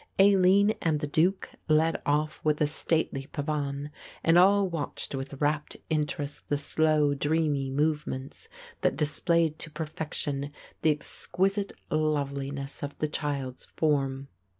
Aline and the Duke led off with a stately pavan and all watched with rapt interest the slow dreamy movements, that displayed to perfection the exquisite loveliness of the child's form.